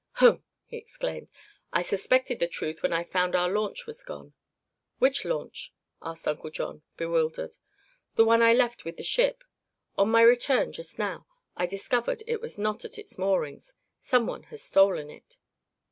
"Humph!" he exclaimed. "I suspected the truth when I found our launch was gone." "Which launch?" asked Uncle John, bewildered. "The one I left with the ship. On my return, just now, I discovered it was not at its moorings. Someone has stolen it."